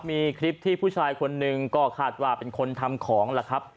มีคลิปที่ผู้ชายคนหนึ่งก็คาดว่าเป็นคนทำของล่ะครับ